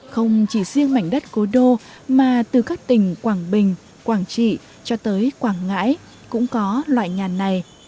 không chỉ riêng mảnh đất cố đô mà từ các tỉnh quảng bình quảng trị cho tới quảng ngãi cũng có loại nhà này